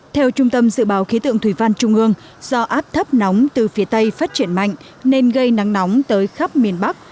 theo trung tâm dự báo khí tượng thủy văn trung ương do áp thấp nóng từ phía tây phát triển mạnh nên gây nắng nóng tới khắp miền bắc